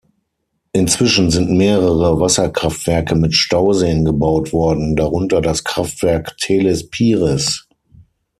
Inzwischen sind mehrere Wasserkraftwerke mit Stauseen gebaut worden, darunter das Kraftwerk Teles Pires.